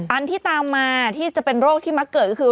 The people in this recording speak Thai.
อันที่ตามมาที่จะเป็นโรคที่มักเกิดก็คือ